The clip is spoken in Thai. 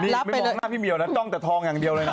ทั้งหน้าพี่เมียวนั้นต้องแต่ทองอย่างเดียวเลยนะ